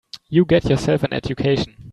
You get yourself an education.